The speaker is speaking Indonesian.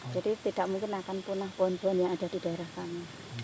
jadi tidak mungkin akan punah pohon pohon yang ada di daerah kami